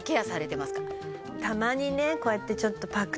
たまにこうやってちょっと。